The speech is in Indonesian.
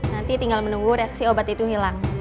nanti tinggal menunggu reaksi obat itu hilang